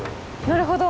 なるほど。